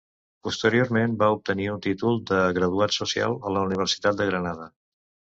Posteriorment va obtenir un títol de Graduat Social a la Universitat de Granada.